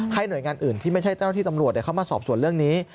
หน่วยงานอื่นที่ไม่ใช่เจ้าหน้าที่ตำรวจเข้ามาสอบส่วนเรื่องนี้